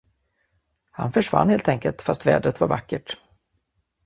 Han försvann helt enkelt, fast vädret var vackert.